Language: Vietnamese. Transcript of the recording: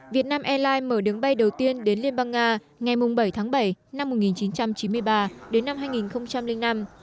việt nam airlines mở đường bay đầu tiên đến liên bang nga ngày bảy tháng bảy năm một nghìn chín trăm chín mươi ba đến năm hai nghìn năm